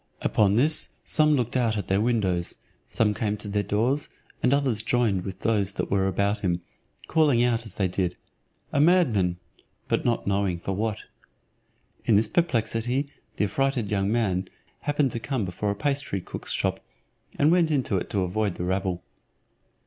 Upon this some looked out at their windows, some came to their doors, and others joined with those that were about him, calling out as they did, "A madman;" but not knowing for what. In this perplexity the affrighted young man happened to come before a pastry cook's shop, and went into it to avoid the rabble.